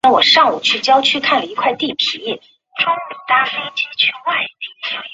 多花溲疏为虎耳草科溲疏属下的一个变种。